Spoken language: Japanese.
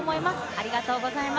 ありがとうございます。